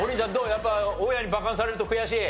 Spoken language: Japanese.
やっぱ大家にバカにされると悔しい？